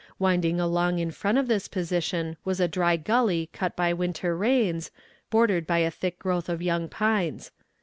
Winding along in front of this position was a dry gully cut by winter rains, bordered by a thick growth of young pines.